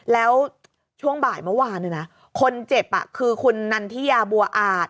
แล้วช่วงบ่ายเมื่อวานคนเจ็บคือคุณนันทิยาบัวอาจ